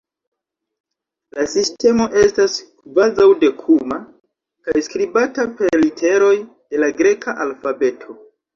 La sistemo estas kvazaŭ-dekuma kaj skribata per literoj de la greka alfabeto.